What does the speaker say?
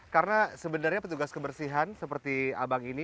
karena sebenarnya petugas kebersihan seperti abang ini